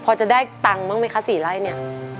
พอจะได้ตังค์มั้ยคะสี่ไร่เนี่ย